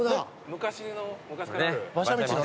昔の昔からある。